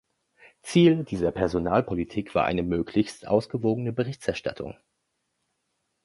Ziel dieser Personalpolitik war eine möglichst ausgewogene Berichterstattung.